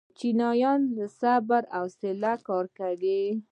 چینایان په صبر او حوصله کار کوي.